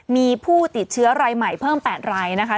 มีผู้ติดเชื้อรายใหม่เพิ่ม๘รายนะคะ